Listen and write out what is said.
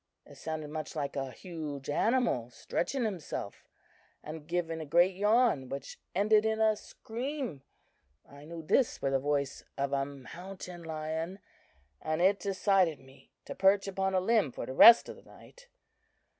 It sounded much like a huge animal stretching himself, and giving a great yawn which ended in a scream. I knew this for the voice of a mountain lion, and it decided me to perch upon a limb for the rest of the night.